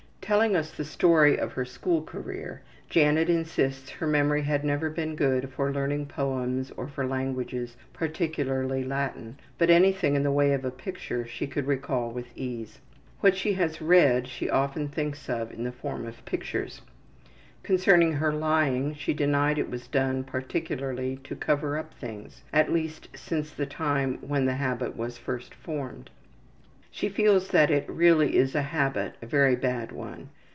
Telling us the story of her school career, Janet insists her memory had never been good for learning poems or for languages, particularly Latin, but anything in the way of a picture she could recall with ease. What she has read she often thinks of in the form of pictures. Concerning her lying she denied it was done particularly to cover up things, at least since the time when the habit was first formed. She feels that it really is a habit, a very bad one.